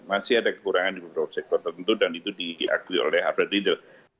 masih ada kekurangan di beberapa sektor tentu dan itu diakui oleh abrad lidl